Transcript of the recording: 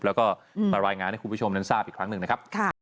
แล้วก็มารายงานให้คุณผู้ชมนั้นทราบอีกครั้งหนึ่งนะครับ